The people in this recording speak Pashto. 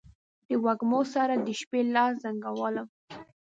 د وږمو سره، د شپې لاس زنګولم